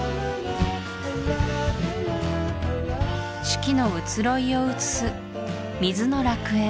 四季の移ろいを映す水の楽園